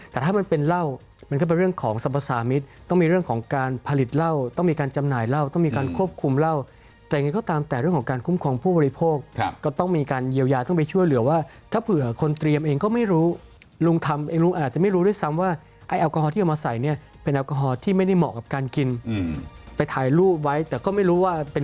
แต่ถ้ามันเป็นเล่ามันก็เป็นเรื่องของสรรพสามิตต้องมีเรื่องของการผลิตเล่าต้องมีการจำหน่ายเล่าต้องมีการควบคุมเล่าแต่ยังไงก็ตามแต่เรื่องของการคุ้มครองผู้บริโภคก็ต้องมีการเยียวยาต้องไปช่วยเหลือว่าถ้าเผื่อคนเตรียมเองก็ไม่รู้ลุงทำเองลุงอาจจะไม่รู้ด้วยซ้ำว่าไอ้แอลกอฮอล์ที่มาใส่เนี่ยเป็